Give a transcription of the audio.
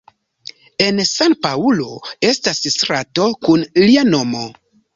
En San-Paŭlo estas strato kun lia nomo.